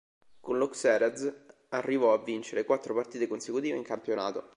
Con lo Xerez arrivò a vincere quattro partite consecutive in campionato.